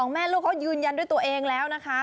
แม่ลูกเขายืนยันด้วยตัวเองแล้วนะคะ